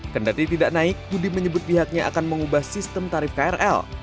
kendati tidak naik budi menyebut pihaknya akan mengubah sistem tarif krl